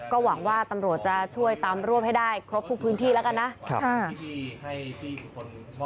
ก็หวังว่าตำรวจจะช่วยตามรวบให้ได้ครบทุกพื้นที่แล้วกันนะ